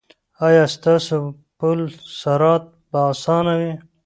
ایا ستاسو پل صراط به اسانه وي؟